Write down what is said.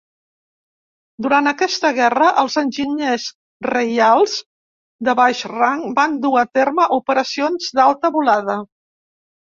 Durant aquesta guerra, els enginyers reials de baix rang van dur a terme operacions d'alta volada.